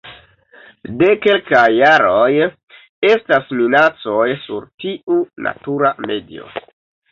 De kelkaj jaroj estas minacoj sur tiu natura medio.